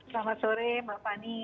selamat sore mbak fani